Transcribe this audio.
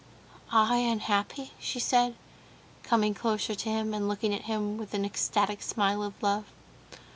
"I unhappy?" she said, coming closer to him, and looking at him with an ecstatic smile of love.